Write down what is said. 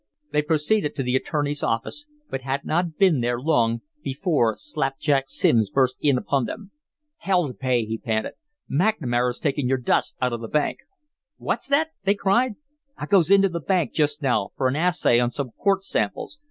They proceeded to the attorney's office, but had not been there long before Slapjack Simms burst in upon them. "Hell to pay!" he panted. "McNamara's taking your dust out of the bank." "What's that?" they cried. "I goes into the bank just now for an assay on some quartz samples.